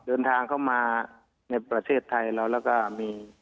เดินทางเข้ามาในประเทศไทยแล้วแล้วก็มี